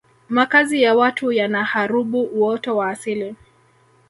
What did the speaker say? makazi ya watu yanaharubu uoto wa asili